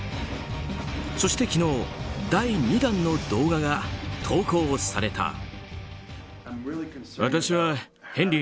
そして昨日第２弾の動画が投稿された。